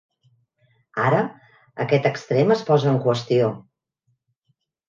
Ara aquest extrem es posa en qüestió.